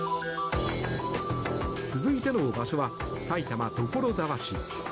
続いての場所は埼玉・所沢市。